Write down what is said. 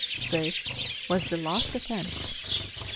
This was the last attempt.